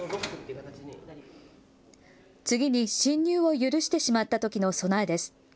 次に、侵入を許してしまったときの備えです。